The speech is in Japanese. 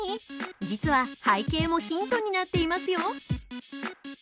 実は背景もヒントになっていますよ。